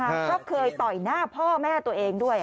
ก็เคยต่อยหน้าพ่อแม่ตัวเองด้วย